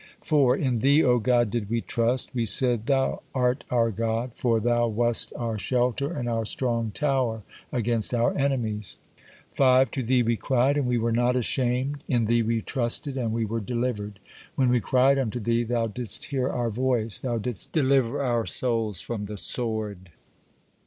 4. In Thee, O God, did we trust; we said, Thou art our God, for Thou wast our shelter and our strong tower against our enemies. 5. To Thee we cried, and we were not ashamed; in Thee we trusted, and we were delivered; when we cried unto Thee, Thou didst hear our voice, Thou didst deliver our souls from the sword.